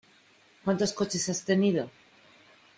¿Cuántos coches has tenido?